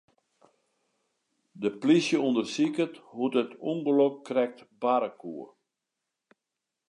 De plysje ûndersiket hoe't it ûngelok krekt barre koe.